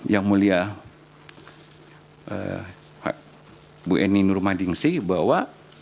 yang mulia bu eni nur madingsi bahwa